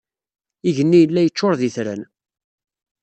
Igenni yella yeccuṛ d itran.